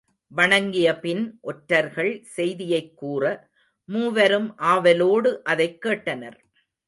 வணங்கியபின் ஒற்றர்கள் செய்தியைக் கூற, மூவரும் ஆவலோடு அதைக் கேட்டனர்.